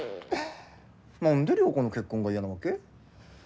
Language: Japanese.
何で良子の結婚が嫌なわけ？